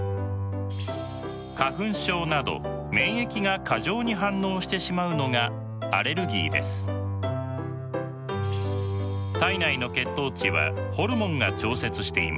花粉症など免疫が過剰に反応してしまうのが体内の血糖値はホルモンが調節しています。